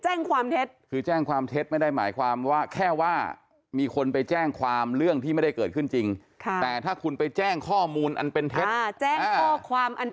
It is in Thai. ท่านาเดชาใช้คำว่าข้อหาแจ้งความเทศอ่าแล้วก็คือให้การเทศนั่นแหละใช่